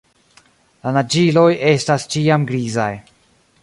La naĝiloj estas ĉiam grizaj.